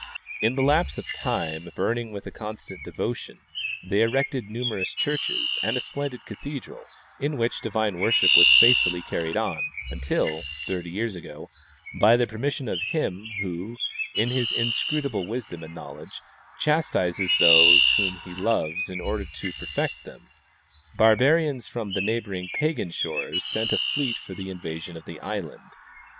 In the lapse of time, burning with a constant devotion, they erected numerous churches and a splendid cathedral, in which divine worship was faithfully carried on until, 30 years ago, by the permission of Him who, in His inscrutable wisdom and knowledge, chastises those whom He loves in order to per fect them, barbarians from the neighboring pagan shores sent a fleet for the invasion of the island.